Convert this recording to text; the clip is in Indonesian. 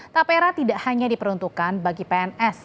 tapera tidak hanya diperuntukkan bagi pns